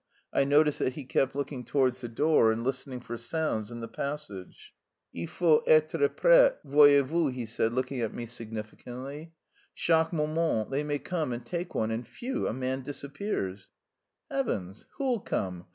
I noticed that he kept looking towards the door and listening for sounds in the passage. "Il faut être prêt, voyez vous," he said, looking at me significantly, "chaque moment... they may come and take one and, phew! a man disappears." "Heavens! who'll come?